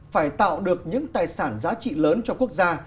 phải tạo được những tài sản giá trị lớn cho quốc gia